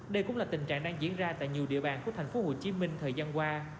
đây cũng là tình trạng đang diễn ra tại nhiều địa bàn của thành phố hồ chí minh thời gian qua